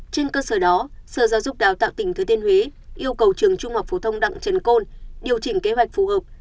trên cơ sở đó sở giáo dục đào tạo tỉnh thừa tiên huế yêu cầu trường trung học phổ thông đặng trần côn điều chỉnh kế hoạch phù hợp